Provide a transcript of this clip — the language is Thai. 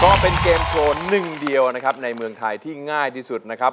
ก็เป็นเกมโชว์หนึ่งเดียวนะครับในเมืองไทยที่ง่ายที่สุดนะครับ